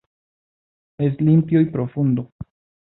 Es limpio y profundo.